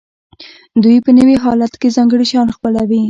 دوی په نوي حالت کې ځانګړي شیان خپلوي.